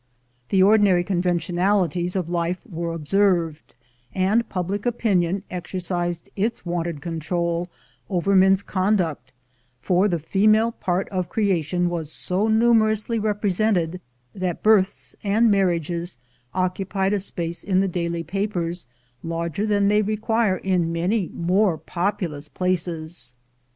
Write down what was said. The ordinary conven tionalities of life were observed, and public opinion exercised its wonted control over men's conduct; for the female part of creation was so numerously repre sented that births and marriages occupied a space in the daily papers larger than they require in many more populous places.